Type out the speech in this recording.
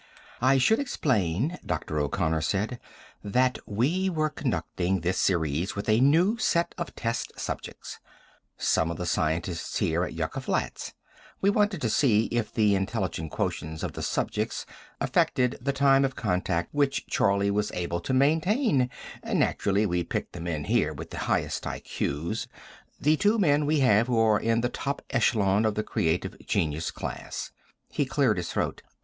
"I should explain," Dr. O'Connor said, "that we were conducting this series with a new set of test subjects: some of the scientists here at Yucca Flats. We wanted to see if the intelligence quotients of the subjects affected the time of contact which Charlie was able to maintain. Naturally, we picked the men here with the highest IQ's, the two men we have who are in the top echelon of the creative genius class." He cleared his throat.